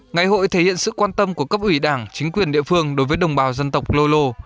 ngày hội thể hiện sự quan tâm của cấp ủy đảng chính quyền địa phương đối với đồng bào dân tộc lô lô